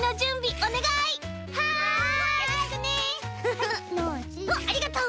おっありがとう！